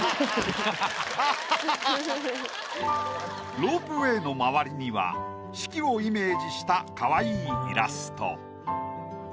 ロープウェイの周りには四季をイメージしたかわいいイラスト。